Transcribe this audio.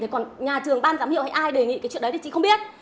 còn nhà trường ban giám hiệu thì ai đề nghị cái chuyện đấy thì chị không biết